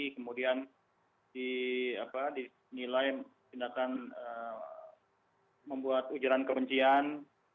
kemudian dinilai tindakan membuat ujaran kebencian